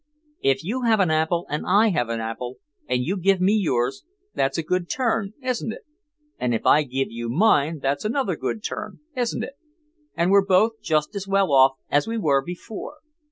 "If you have an apple and I have an apple and you give me yours, that's a good turn, isn't it? And if I give you mine that's another good turn, isn't it? And we're both just as well off as we were before.